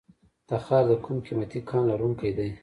تخار د کوم قیمتي کان لرونکی دی؟